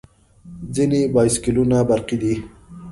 ځینې بایسکلونه برقي دي.